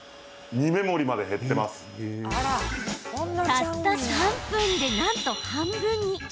たった３分でなんと半分に。